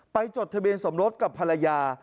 จดทะเบียนสมรสกับภรรยา